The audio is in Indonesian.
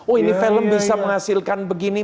oh ini film bisa menghasilkan begini